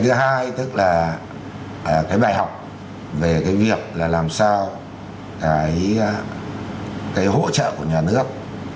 thứ hai tức là cái bài học về cái việc là làm sao cái hỗ trợ của nhà nước